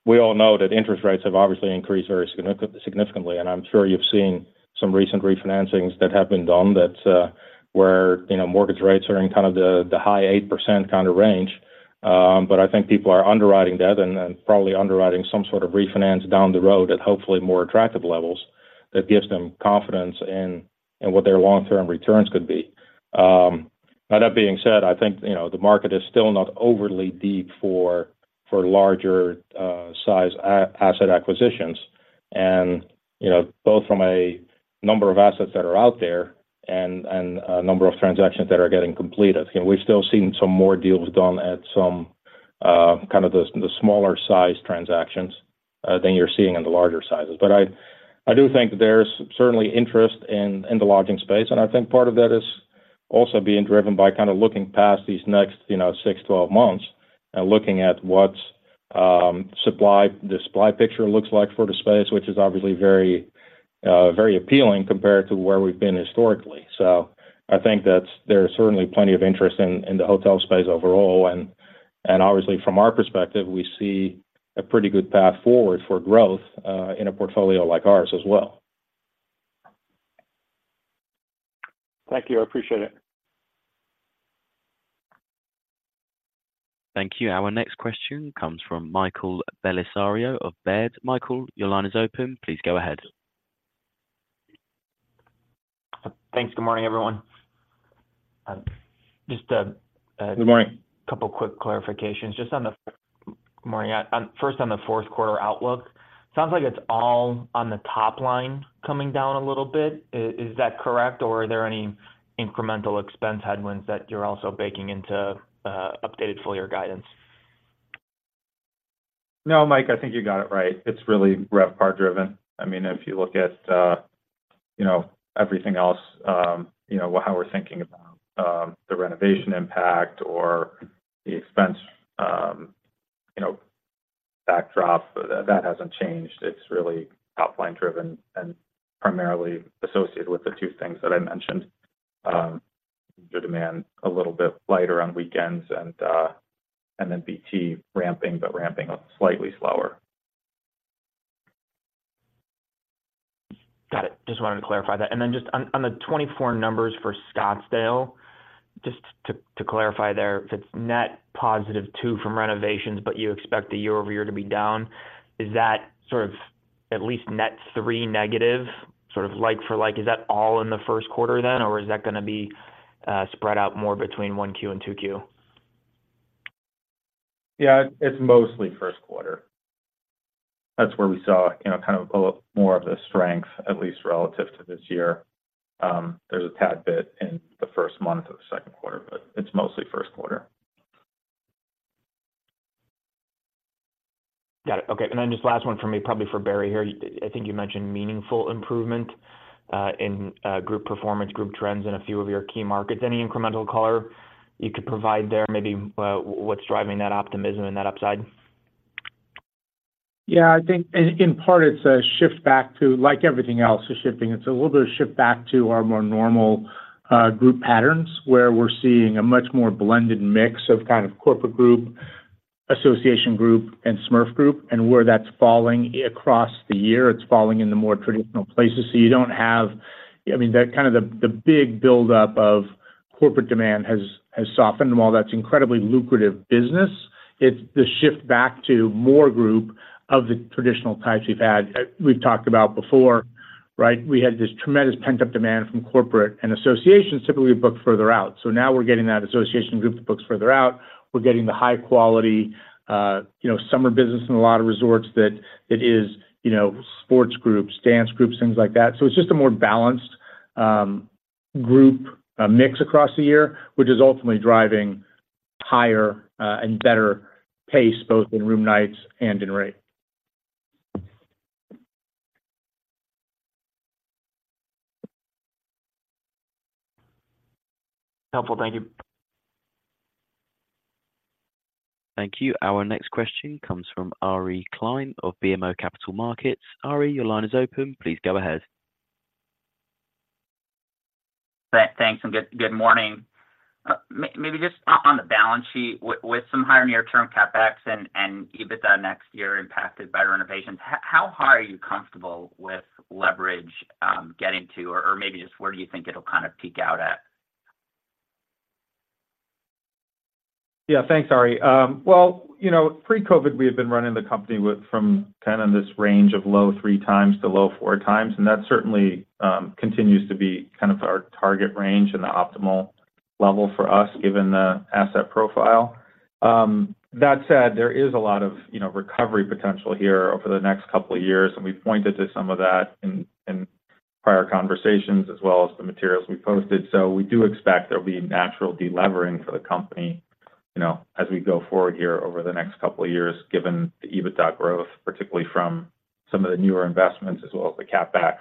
we all know that interest rates have obviously increased very significantly, and I'm sure you've seen some recent refinancings that have been done that, where, you know, mortgage rates are in kind of the high 8% kind of range. But I think people are underwriting that and probably underwriting some sort of refinance down the road at hopefully more attractive levels that gives them confidence in what their long-term returns could be. Now, that being said, I think, you know, the market is still not overly deep for larger size asset acquisitions, and, you know, both from a number of assets that are out there and a number of transactions that are getting completed. You know, we've still seen some more deals done at some kind of the smaller-sized transactions than you're seeing in the larger sizes. But I do think there's certainly interest in the lodging space, and I think part of that is also being driven by kind of looking past these next, you know, six, 12 months and looking at what supply, the supply picture looks like for the space, which is obviously very very appealing compared to where we've been historically. So I think there's certainly plenty of interest in the hotel space overall, and obviously from our perspective, we see a pretty good path forward for growth in a portfolio like ours as well. Thank you. I appreciate it. Thank you. Our next question comes from Michael Bellisario of Baird. Michael, your line is open. Please go ahead. Thanks. Good morning, everyone. Good morning Couple quick clarifications. Just on the. Good morning. On first, on the fourth quarter outlook. Sounds like it's all on the top line coming down a little bit. Is that correct, or are there any incremental expense headwinds that you're also baking into updated full year guidance? No, Mike, I think you got it right. It's really RevPAR driven. I mean, if you look at, you know, everything else, you know, well, how we're thinking about, the renovation impact or the expense, you know, backdrop, that hasn't changed. It's really top line driven and primarily associated with the two things that I mentioned. The demand a little bit lighter on weekends and then BT ramping, but ramping up slightly slower. Got it. Just wanted to clarify that. And then just on the 2024 numbers for Scottsdale, just to clarify there, if it's net +2 from renovations, but you expect the year-over-year to be down, is that sort of at least net -3 negative, sort of like for like, is that all in the first quarter then, or is that gonna be spread out more between 1Q and 2Q? Yeah, it's mostly first quarter. That's where we saw, you know, kind of a pull up more of the strength, at least relative to this year. There's a tad bit in the first month of the second quarter, but it's mostly first quarter. Got it. Okay. And then just last one for me, probably for Barry here. I, I think you mentioned meaningful improvement in group performance, group trends in a few of your key markets. Any incremental color you could provide there, maybe, what's driving that optimism and that upside? Yeah, I think in part it's a shift back to - like everything else, is shifting. It's a little bit of shift back to our more normal, group patterns, where we're seeing a much more blended mix of kind of corporate group, association group, and SMERF group, and where that's falling across the year. It's falling in the more traditional places. So you don't have - I mean, that kind of the big buildup of corporate demand has softened. And while that's incredibly lucrative business, it's the shift back to more group of the traditional types we've had, we've talked about before, right? We had this tremendous pent-up demand from corporate and association, typically, we book further out. So now we're getting that association group that books further out. We're getting the high quality, you know, Summer business in a lot of resorts that it is, you know, sports groups, dance groups, things like that. So it's just a more balanced, group, mix across the year, which is ultimately driving higher, and better pace, both in room nights and in rate. Helpful. Thank you. Thank you. Our next question comes from Ari Klein of BMO Capital Markets. Ari, your line is open. Please go ahead. Thanks, and good morning. Maybe just on the balance sheet with some higher near-term CapEx and EBITDA next year impacted by renovations, how high are you comfortable with leverage getting to? Or maybe just where do you think it'll kind of peak out at? Yeah, thanks, Ari. Well, you know, pre-COVID, we had been running the company with—from kind of this range of low 3x to low 4x, and that certainly continues to be kind of our target range and the optimal level for us, given the asset profile. That said, there is a lot of, you know, recovery potential here over the next couple of years, and we've pointed to some of that in prior conversations as well as the materials we posted. So we do expect there will be natural delevering for the company, you know, as we go forward here over the next couple of years, given the EBITDA growth, particularly from some of the newer investments as well as the CapEx.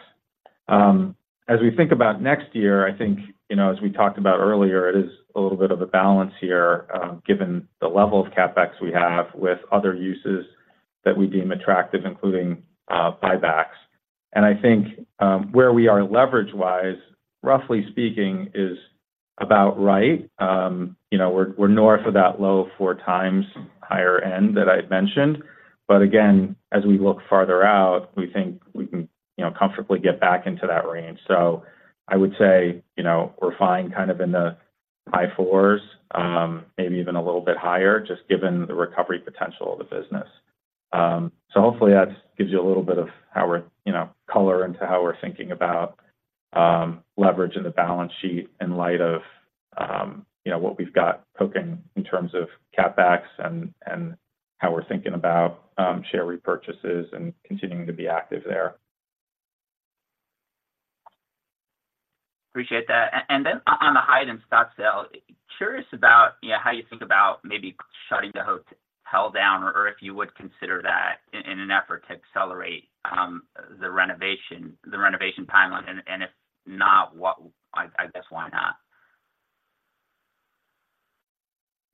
As we think about next year, I think, you know, as we talked about earlier, it is a little bit of a balance here, given the level of CapEx we have with other uses that we deem attractive, including, buybacks. And I think, where we are leverage-wise, roughly speaking, is about right. You know, we're, we're north of that low 4x higher end that I had mentioned. But again, as we look farther out, we think we can, you know, comfortably get back into that range. So I would say, you know, we're fine kind of in the high fours, maybe even a little bit higher, just given the recovery potential of the business. So hopefully that gives you a little bit of how we're, you know, color into how we're thinking about leverage in the balance sheet in light of, you know, what we've got cooking in terms of CapEx and how we're thinking about share repurchases and continuing to be active there. Appreciate that. And then on the Hyatt in Scottsdale, curious about, you know, how you think about maybe shutting the hotel down, or if you would consider that in an effort to accelerate, the renovation, the renovation timeline, and, and if not, what... I guess, why not?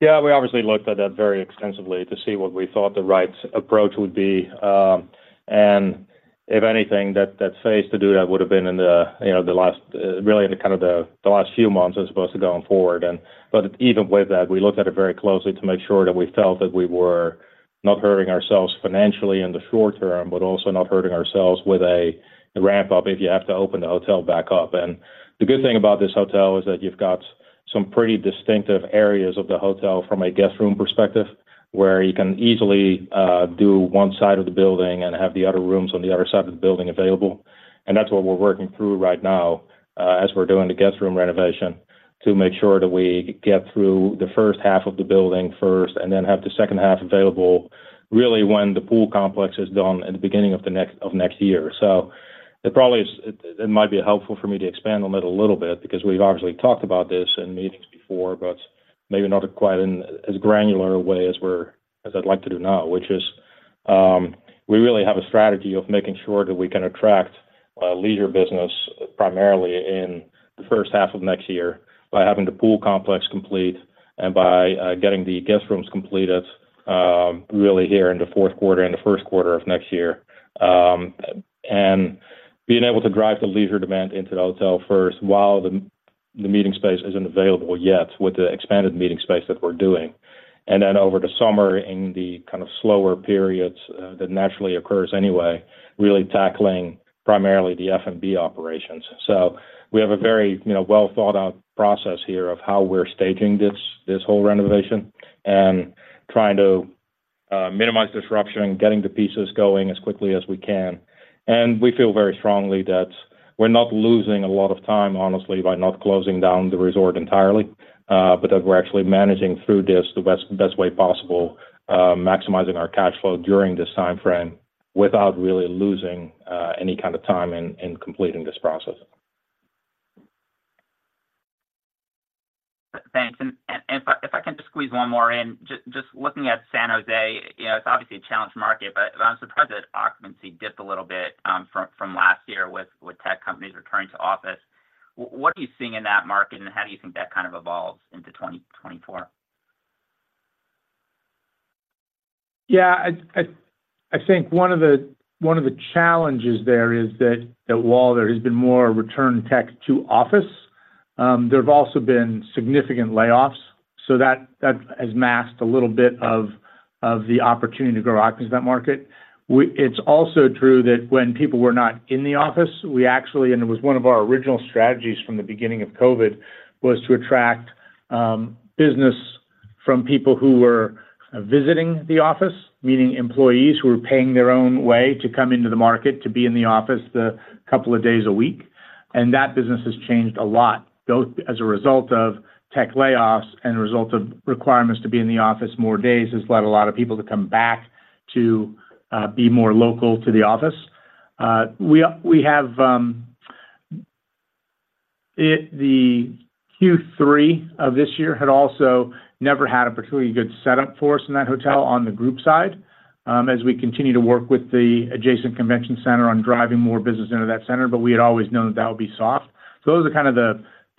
Yeah, we obviously looked at that very extensively to see what we thought the right approach would be, and if anything, that phase to do that would have been in the, you know, the last really in the kind of the last few months as opposed to going forward. But even with that, we looked at it very closely to make sure that we felt that we were not hurting ourselves financially in the short term, but also not hurting ourselves with a ramp-up if you have to open the hotel back up. The good thing about this hotel is that you've got some pretty distinctive areas of the hotel from a guest room perspective, where you can easily do one side of the building and have the other rooms on the other side of the building available. And that's what we're working through right now, as we're doing the guest room renovation, to make sure that we get through the first half of the building first, and then have the second half available, really, when the pool complex is done at the beginning of the next—of next year. So, it probably is. It might be helpful for me to expand on that a little bit, because we've obviously talked about this in meetings before, but maybe not quite in as granular way as I'd like to do now, which is, we really have a strategy of making sure that we can attract Leisure business, primarily in the first half of next year, by having the pool complex complete and by getting the guest rooms completed, really here in the fourth quarter and the first quarter of next year. And being able to drive the leisure demand into the hotel first while the meeting space isn't available yet, with the expanded meeting space that we're doing. And then over the summer, in the kind of slower periods that naturally occurs anyway, really tackling primarily the F&B operations. We have a very, you know, well-thought-out process here of how we're staging this, this whole renovation, and trying to minimize disruption, getting the pieces going as quickly as we can. We feel very strongly that we're not losing a lot of time, honestly, by not closing down the resort entirely, but that we're actually managing through this the best, best way possible, maximizing our cash flow during this time frame without really losing any kind of time in completing this process. Thanks. And if I can just squeeze one more in. Just looking at San Jose, you know, it's obviously a challenged market, but I'm surprised that occupancy dipped a little bit from last year with tech companies returning to office. What are you seeing in that market, and how do you think that kind of evolves into 2024? Yeah, I think one of the challenges there is that while there has been more return to the office, there have also been significant layoffs, so that has masked a little bit of the opportunity to grow occupancy in that market. It's also true that when people were not in the office, we actually. It was one of our original strategies from the beginning of COVID, was to attract business from people who were visiting the office, meaning employees who were paying their own way to come into the market to be in the office a couple of days a week. And that business has changed a lot, both as a result of tech layoffs and a result of requirements to be in the office more days, has led a lot of people to come back to be more local to the office. The Q3 of this year had also never had a particularly good setup for us in that hotel on the group side, as we continue to work with the adjacent convention center on driving more business into that center, but we had always known that would be soft. So those are kind of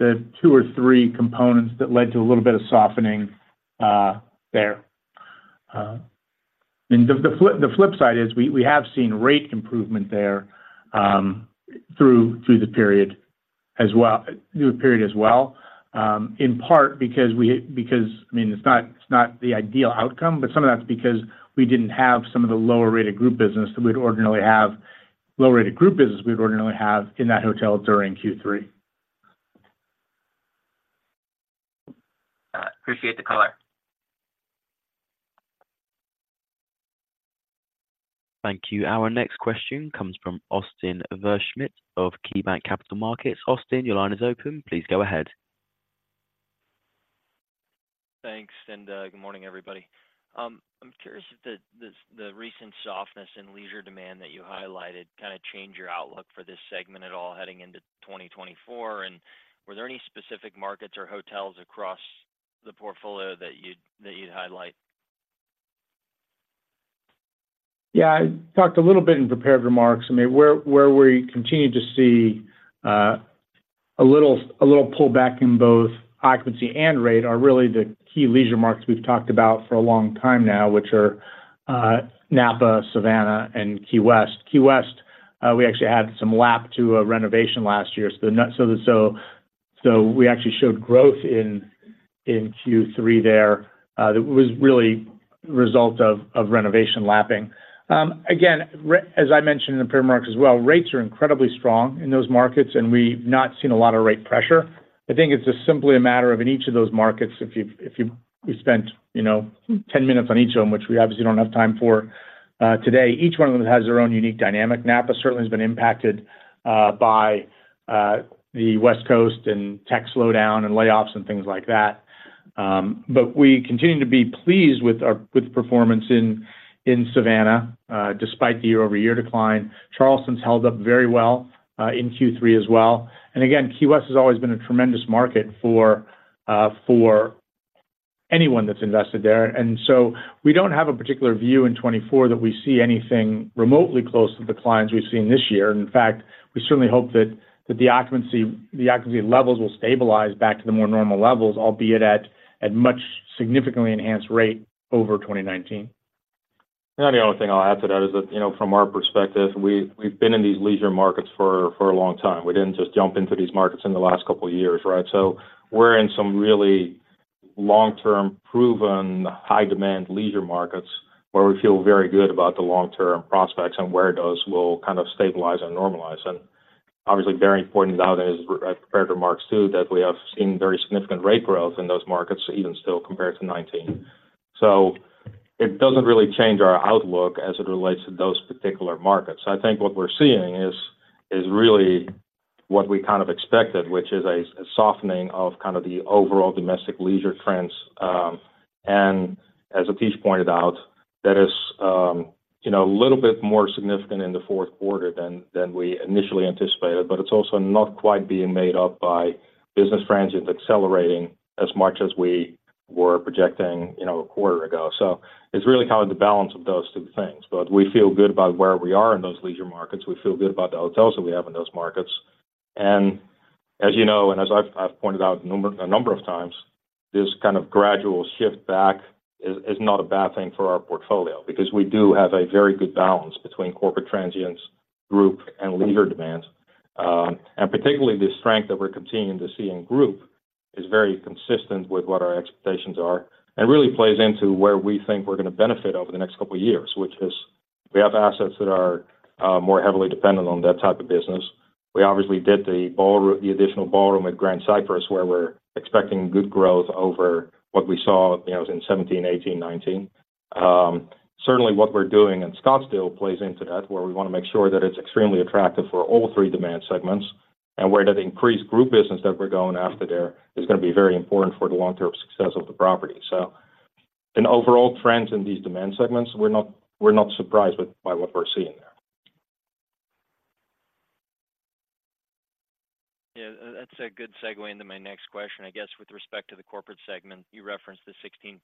the two or three components that led to a little bit of softening there. And the flip side is we have seen rate improvement there through the period as well, in part because, I mean, it's not the ideal outcome, but some of that's because we didn't have some of the lower-rated group business that we'd ordinarily have in that hotel during Q3. Appreciate the color. Thank you. Our next question comes from Austin Wurschmidt of KeyBanc Capital Markets. Austin, your line is open. Please go ahead. Thanks, and good morning, everybody. I'm curious if the recent softness in leisure demand that you highlighted kind of changed your outlook for this segment at all heading into 2024, and were there any specific markets or hotels across the portfolio that you'd highlight? Yeah, I talked a little bit in prepared remarks. I mean, where we continue to see a little pullback in both occupancy and rate are really the key leisure markets we've talked about for a long time now, which are Napa, Savannah, and Key West. Key West, we actually had some lap to a renovation last year. So we actually showed growth in Q3 there, that was really a result of renovation lapping. Again, as I mentioned in the prepared remarks as well, rates are incredibly strong in those markets, and we've not seen a lot of rate pressure. I think it's just simply a matter of in each of those markets, if you've spent, you know, 10 minutes on each of them, which we obviously don't have time for, today, each one of them has their own unique dynamic. Napa certainly has been impacted by the West Coast and tech slowdown and layoffs and things like that. But we continue to be pleased with our performance in Savannah despite the year-over-year decline. Charleston's held up very well in Q3 as well. And again, Key West has always been a tremendous market for anyone that's invested there. And so we don't have a particular view in 2024 that we see anything remotely close to the declines we've seen this year. In fact, we certainly hope that the occupancy levels will stabilize back to the more normal levels, albeit at much significantly enhanced rate over 2019. The only thing I'll add to that is that, you know, from our perspective, we've been in these leisure markets for a long time. We didn't just jump into these markets in the last couple of years, right? So we're in some really long-term, proven, high-demand leisure markets, where we feel very good about the long-term prospects and where those will kind of stabilize and normalize. Obviously, very important to note in his prepared remarks, too, that we have seen very significant rate growth in those markets, even still compared to 2019. So it doesn't really change our outlook as it relates to those particular markets. I think what we're seeing is really what we kind of expected, which is a softening of kind of the overall domestic leisure trends. And as Atish pointed out, that is, you know, a little bit more significant in the fourth quarter than, than we initially anticipated, but it's also not quite being made up by business transient accelerating as much as we were projecting, you know, a quarter ago. So it's really kind of the balance of those two things. But we feel good about where we are in those leisure markets. We feel good about the hotels that we have in those markets, and as you know, and as I've, I've pointed out a number, a number of times, this kind of gradual shift back is, is not a bad thing for our portfolio because we do have a very good balance between corporate transients, group, and leisure demands. And particularly, the strength that we're continuing to see in group is very consistent with what our expectations are and really plays into where we think we're gonna benefit over the next couple of years, which is we have assets that are more heavily dependent on that type of business. We obviously did the ballroom, the additional ballroom at Grand Cypress, where we're expecting good growth over what we saw, you know, in 2017, 2018, 2019. Certainly what we're doing in Scottsdale plays into that, where we wanna make sure that it's extremely attractive for all three demand segments, and where the increased Group business that we're going after there is gonna be very important for the long-term success of the property. So in overall trends in these demand segments, we're not, we're not surprised with by what we're seeing there. Yeah, that's a good segue into my next question. I guess, with respect to the Corporate segment, you referenced the 16%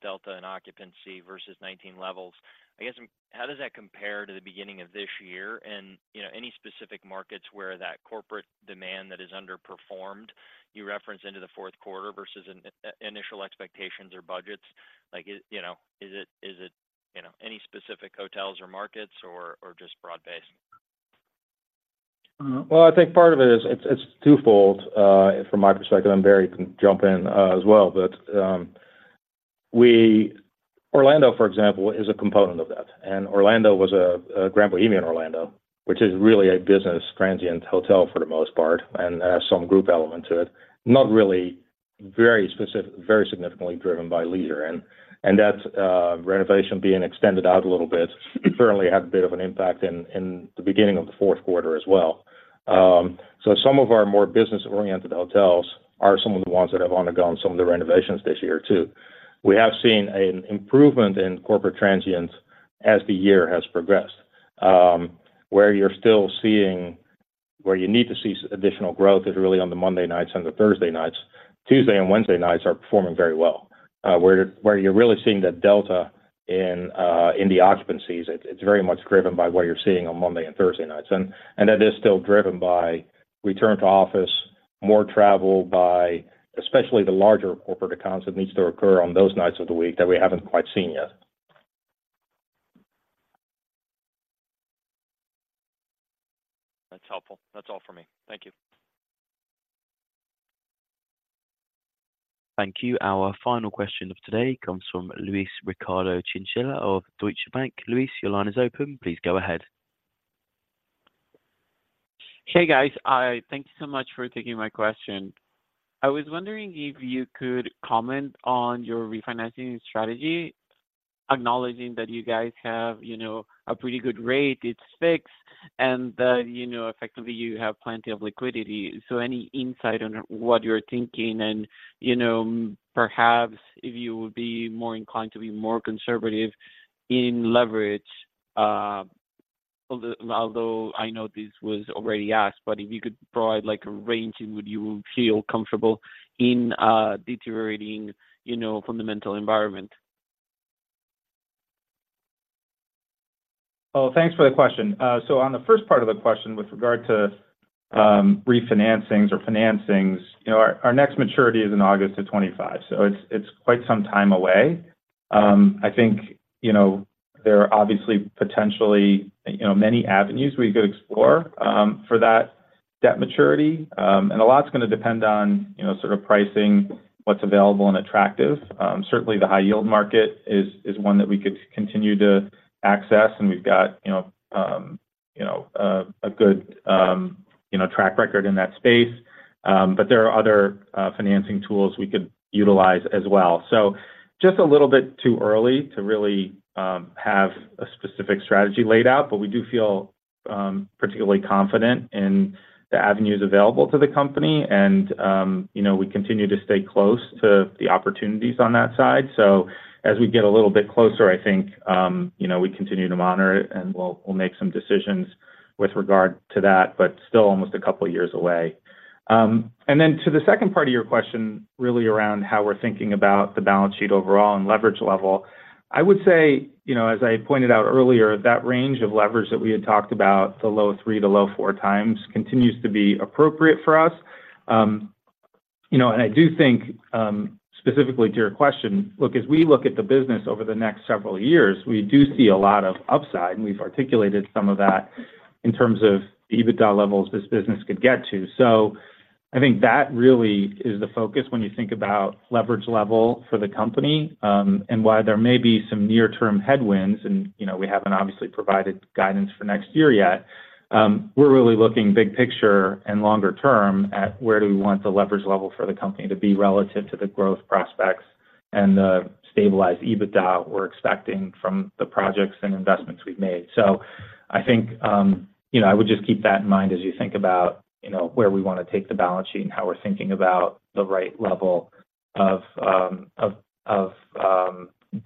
delta in occupancy versus 2019 levels. I guess, how does that compare to the beginning of this year? And, you know, any specific markets where that corporate demand that is underperformed, you referenced into the fourth quarter versus an initial expectations or budgets? Like, you know, is it, is it, you know, any specific hotels or markets or, or just broad-based? Well, I think part of it is it's, it's twofold, from my perspective, and Barry can jump in, as well. But, we—Orlando, for example, is a component of that, and Orlando was a Grand Bohemian Orlando, which is really a business transient hotel for the most part, and it has some group element to it. Not really very specific—very significantly driven by leisure. And that renovation being extended out a little bit certainly had a bit of an impact in the beginning of the fourth quarter as well. So some of our more business-oriented hotels are some of the ones that have undergone some of the renovations this year, too. We have seen an improvement in corporate transients as the year has progressed. Where you need to see additional growth is really on the Monday nights and the Thursday nights. Tuesday and Wednesday nights are performing very well. Where you're really seeing that delta in the occupancies, it's very much driven by what you're seeing on Monday and Thursday nights. And that is still driven by return to office, more travel by especially the larger corporate accounts. It needs to occur on those nights of the week that we haven't quite seen yet. That's helpful. That's all for me. Thank you. Thank you. Our final question of today comes from Luis Ricardo Chinchilla of Deutsche Bank. Luis, your line is open. Please go ahead. Hey, guys. I thank you so much for taking my question. I was wondering if you could comment on your refinancing strategy, acknowledging that you guys have, you know, a pretty good rate, it's fixed, and that, you know, effectively you have plenty of liquidity. So any insight on what you're thinking and, you know, perhaps if you would be more inclined to be more conservative in leverage? Although I know this was already asked, but if you could provide, like, a range in which you would feel comfortable in a deteriorating, you know, fundamental environment. Well, thanks for the question. So on the first part of the question, with regard to refinancings or financings, you know, our, our next maturity is in August of 2025, so it's, it's quite some time away. I think, you know, there are obviously potentially, you know, many avenues we could explore for that debt maturity. And a lot's gonna depend on, you know, sort of pricing, what's available and attractive. Certainly the high yield market is, is one that we could continue to access, and we've got, you know, a good, you know, track record in that space. But there are other financing tools we could utilize as well. So just a little bit too early to really have a specific strategy laid out, but we do feel particularly confident in the avenues available to the company. And you know, we continue to stay close to the opportunities on that side. So as we get a little bit closer, I think you know, we continue to monitor it, and we'll, we'll make some decisions with regard to that, but still almost a couple of years away. And then to the second part of your question, really around how we're thinking about the balance sheet overall and leverage level. I would say, you know, as I pointed out earlier, that range of leverage that we had talked about, the low 3x-low 4x, continues to be appropriate for us. You know, and I do think, specifically to your question. Look, as we look at the business over the next several years, we do see a lot of upside, and we've articulated some of that in terms of EBITDA levels this business could get to. So I think that really is the focus when you think about leverage level for the company, and why there may be some near-term headwinds. You know, we haven't obviously provided guidance for next year yet. We're really looking big picture and longer term at where do we want the leverage level for the company to be relative to the growth prospects and the stabilized EBITDA we're expecting from the projects and investments we've made. So I think, you know, I would just keep that in mind as you think about, you know, where we wanna take the balance sheet and how we're thinking about the right level of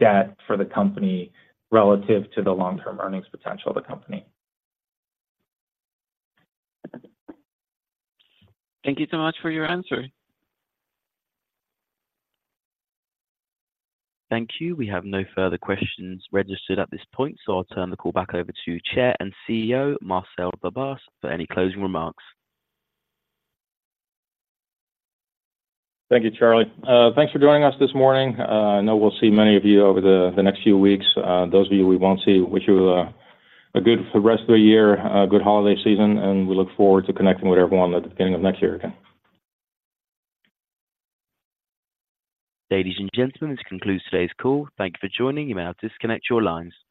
debt for the company relative to the long-term earnings potential of the company. Thank you so much for your answer. Thank you. We have no further questions registered at this point, so I'll turn the call back over to Chair and CEO, Marcel Verbaas, for any closing remarks. Thank you, Charlie. Thanks for joining us this morning. I know we'll see many of you over the next few weeks. Those of you we won't see, wish you a good rest of the year, a good holiday season, and we look forward to connecting with everyone at the beginning of next year again. Ladies and gentlemen, this concludes today's call. Thank you for joining. You may now disconnect your lines.